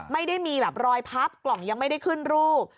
ไม่ได้มีแบบรอยพับกล่องยังไม่ได้ขึ้นรูป